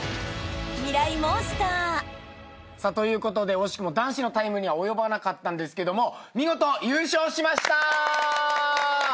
惜しくも男子のタイムには及ばなかったんですけども見事優勝しました！